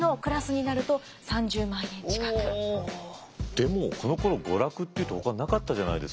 でもこのころ娯楽っていうとほかになかったじゃないですか。